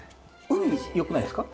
うによくないですか？